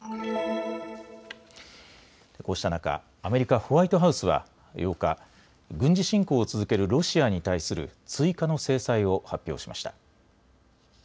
こうした中、アメリカ・ホワイトハウスは８日、軍事侵攻を続けるロシアに対する追加の制裁を発表しました。